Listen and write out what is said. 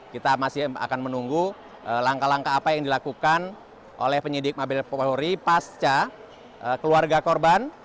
kita masih akan menunggu langkah langkah apa yang dilakukan oleh penyidik mabes polri pasca keluarga korban